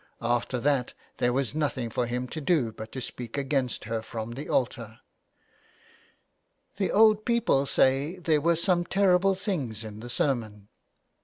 After that there was nothing for him to do but to speak against her from the altar. The old people say there were some terrible things in the sermon.